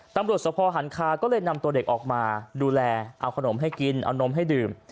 ตำรวจสภหันคาก็เลยนำตัวเด็กออกมาดูแลเอาขนมให้กินเอานมให้ดื่ม